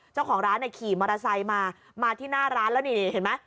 เจ้าของร้านเนี่ยขี่มอเตอร์ไซค์มามาที่หน้าร้านแล้วนี่เห็นไหม